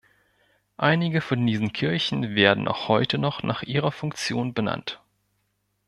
Einige von diesen Kirchen werden auch heute noch nach ihrer Funktion benannt.